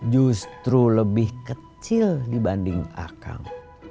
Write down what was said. justru lebih kecil dibanding akang